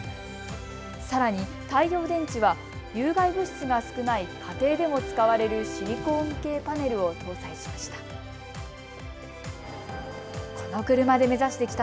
さらに太陽電池は有害物質が少ない家庭でも使われるシリコン系パネルを搭載しました。